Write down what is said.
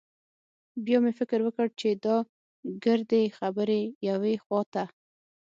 بيا مې فکر وکړ چې دا ګردې خبرې يوې خوا ته.